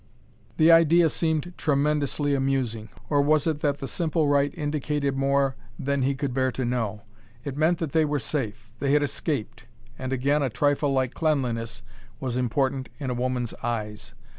The idea seemed tremendously amusing or was it that the simple rite indicated more than he could bear to know? It meant that they were safe; they had escaped; and again a trifle like cleanliness was important in a woman's eyes.